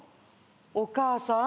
お母さん？